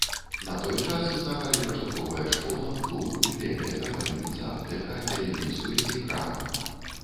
На той час існавалі пачатковая школа, клуб, бібліятэка, бальніца, аптэка, аддзяленне сувязі, крама.